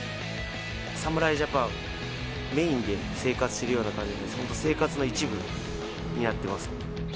侍ジャパンメインで生活してるような感じで、本当、生活の一部になってます。